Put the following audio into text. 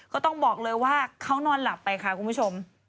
ก็ต้องบอกเลยว่าเขานอนหลับไปค่ะคุณผู้ชม